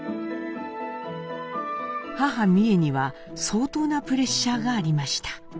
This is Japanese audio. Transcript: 母美惠には相当なプレッシャーがありました。